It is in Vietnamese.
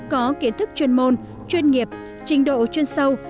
có kiến thức chuyên môn chuyên nghiệp trình độ chuyên sâu